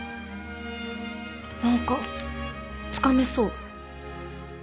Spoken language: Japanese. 何かつかめそう。